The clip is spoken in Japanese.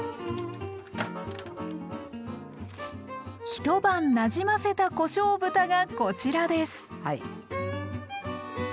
一晩なじませたこしょう豚がこちらです。